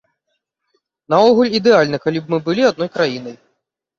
Наогул, ідэальна, калі б мы былі адной краінай.